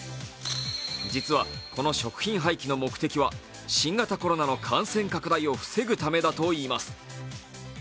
実はこの食品廃棄の目的は新型コロナの感染拡大を防ぐためだといいます。